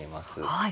はい。